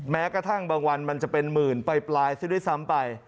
แม้กระทั่งบางวันมันจะเป็นหมื่นปลายซะด้วยซ้ำไป